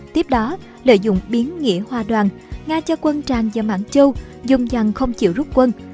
tiếp đó lợi dụng biến nghĩa hòa đoàn nga cho quân tràn vào mạng châu dùng dàng không chịu rút quân